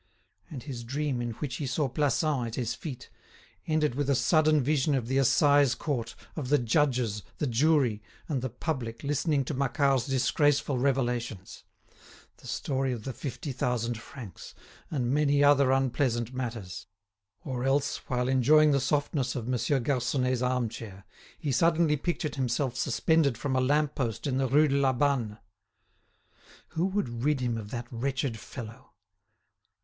And his dream, in which he saw Plassans at his feet, ended with a sudden vision of the Assize Court, of the judges, the jury, and the public listening to Macquart's disgraceful revelations; the story of the fifty thousand francs, and many other unpleasant matters; or else, while enjoying the softness of Monsieur Garconnet's arm chair, he suddenly pictured himself suspended from a lamp post in the Rue de la Banne. Who would rid him of that wretched fellow?